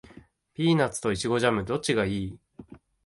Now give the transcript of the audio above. ピーナッツとイチゴジャム、どっちがいい？